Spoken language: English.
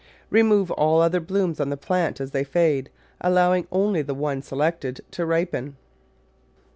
Remove all other blooms on the plant, as they fade, allowing only the one selected to ripen.